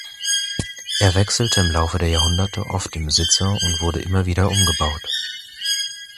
Es wechselte im Laufe der Jahrhunderte oft den Besitzer und wurde immer wieder umgebaut.